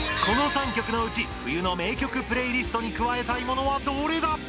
この３曲のうち冬の名曲プレイリストに加えたいものはどれだ？